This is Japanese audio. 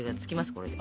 これで。